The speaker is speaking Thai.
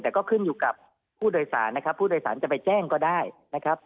แต่ก็ขึ้นอยู่กับผู้โดยสารนะครับผู้โดยสารจะไปแจ้งก็ได้นะครับ